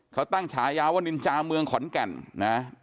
เขาตั้งฉายาว่านินจาเมืองขอนแก่นนะ